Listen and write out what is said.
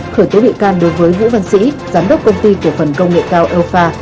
khởi tố bị can đối với vũ văn sĩ giám đốc công ty của phần công nghệ cao elpha